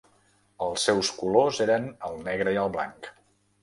Els seus colors eren el negre i el blanc.